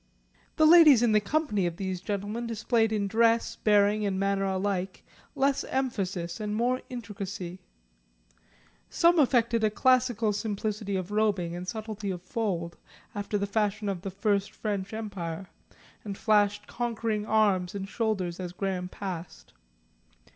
The ladies in the company of these gentlemen displayed in dress, bearing and manner alike, less emphasis and more intricacy. Some affected a classical simplicity of robing and subtlety of fold, after the fashion of the First French Empire, and flashed conquering arms and shoulders as Graham passed.